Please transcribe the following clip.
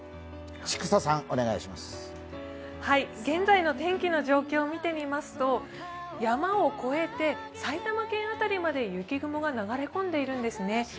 現在の天気の状況を見てみますと、山を越えて埼玉県辺りまで雪雲が流れ込んでいるんですね。